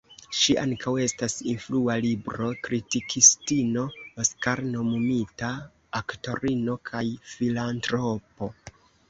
Ŝi ankaŭ estas influa libro-kritikistino, Oskar-nomumita aktorino, kaj filantropo.